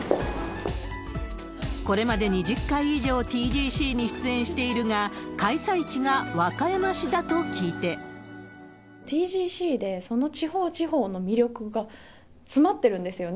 これまで２０回以上ＴＧＣに出演しているが、開催地が和歌山ＴＧＣで、その地方地方の魅力が詰まってるんですよね。